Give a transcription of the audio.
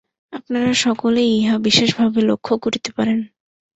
আপনারা সকলেই ইহা বিশেষভাবে লক্ষ্য করিতে পারেন।